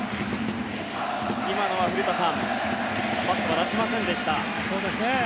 今のは古田さんバットを出しませんでした。